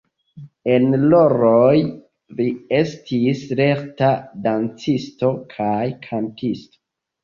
En roloj li estis lerta dancisto kaj kantisto.